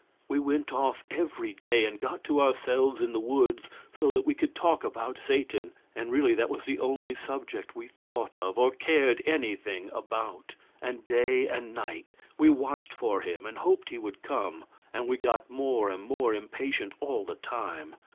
We went off every day and got to ourselves in the woods so that we could talk about Satan, and really that was the only subject we thought of or cared anything about; and day and night we watched for him and hoped he would come, and we got more and more impatient all the time.